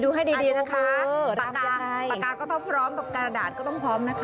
ดูให้ดีนะคะปากาก็ต้องพร้อมกระดาษก็ต้องพร้อมนะคะ